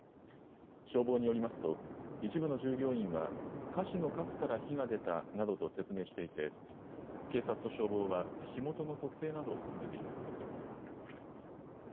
消防によりますと一部の従業員は菓子のカスから火が出たなどと説明していて警察と消防は火元の特定などを進めています。